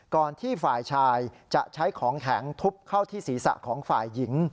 ก่อนที่ฝ่ายชายจะใช้ของแข็งทุบเข้าที่ศีรษะของฝ่ายหญิง